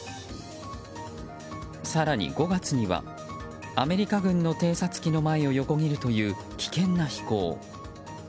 更に、５月にはアメリカ軍の偵察機の前を横切るという危険な飛行。